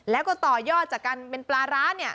แล้วก็ต่อยอดจากการเป็นปลาร้าเนี่ย